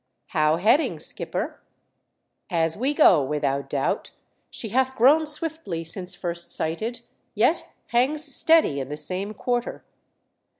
" How heading, skipper ?" As we go, without doubt. She hath grown swiftly since first sighted, yet hangs steady in the same quarter."